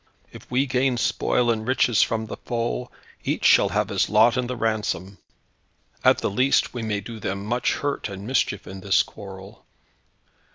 If we gain spoil and riches from the foe, each shall have his lot in the ransom. At the least we may do them much hurt and mischief in this quarrel."